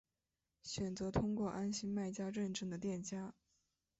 选择通过安心卖家认证的店家